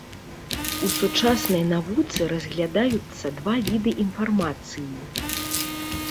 У сучаснай навуцы разглядаюцца два віды інфармацыі.